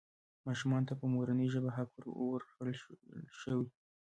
ماشومانو ته په مورنۍ ژبه حق ورکړل شوی.